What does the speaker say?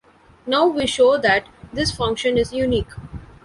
Now we show that this function is unique.